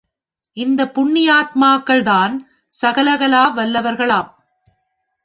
இந்த புண்ணியாத்மாக்கள்தாம் சகலகலா வல்லவர்களாம்!